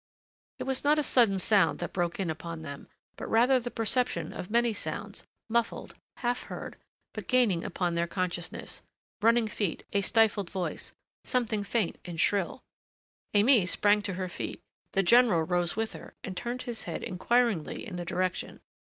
It was not a sudden sound that broke in upon them but rather the perception of many sounds, muffled, half heard, but gaining upon their consciousness. Running feet a stifled voice something faint and shrill Aimée sprang to her feet; the general rose with her and turned his head inquiringly in the direction.